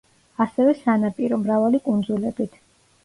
ასევე სანაპირო, მრავალი კუნძულებით.